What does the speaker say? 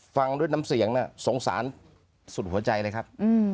ฟังด้วยน้ำเสียงสงสารสุดหัวใจเลยครับ